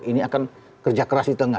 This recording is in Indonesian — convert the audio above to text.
ini akan kerja keras di tengah